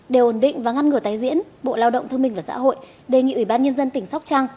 để ổn định và ngăn ngừa tái diễn bộ lao động thương minh và xã hội đề nghị ủy ban nhân dân tỉnh sóc trăng